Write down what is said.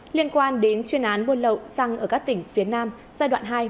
liên quan đến chuyên án buôn lậu xăng ở các tỉnh phía nam giai đoạn hai